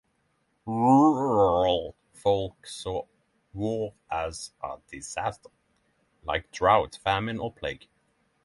Rural folk saw war as a disaster, like drought, famine or plague.